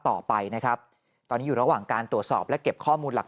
ต่อไปนะครับตอนนี้อยู่ระหว่างการตรวจสอบและเก็บข้อมูลหลัก